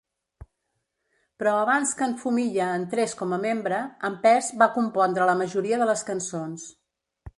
Però abans que en Fumiya entrés com a membre, en Pes va compondre la majoria de les cançons.